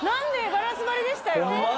ガラス張りでしたよホンマ？